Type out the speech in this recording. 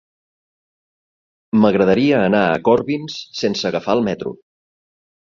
M'agradaria anar a Corbins sense agafar el metro.